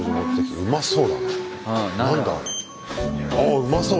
うまそう！